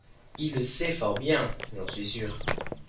il le sait fort bien, j'en suis sur.